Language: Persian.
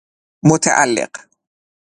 متعلق